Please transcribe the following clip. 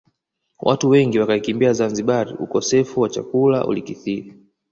Watu wengi wakaikimbia Zanzibar ukosefu wa chakula ulikithiri